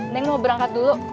neng mau berangkat dulu